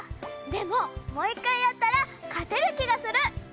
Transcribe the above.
でももう１回やったら勝てる気がする。